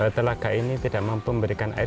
telaga ini tidak mampu memberikan air